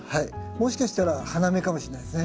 もしかしたら花芽かもしれないですね。